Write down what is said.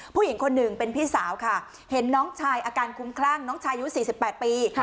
ผู้หญิงคนหนึ่งเป็นพี่สาวค่ะเห็นน้องชายอาการคุ้มคลั่งน้องชายอายุ๔๘ปี